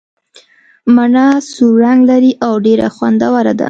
مڼه سور رنګ لري او ډېره خوندوره ده.